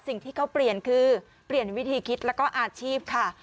สิ่งที่เขาเปลี่ยนคือเปลี่ยนวิธีคิดแล้วก็อาชีพค่ะ